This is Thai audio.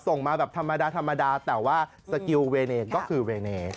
ส่งมาแบบธรรมดาธรรมดาแต่ว่าสกิลเวเนก็คือเวเน